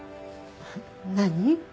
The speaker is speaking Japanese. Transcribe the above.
何？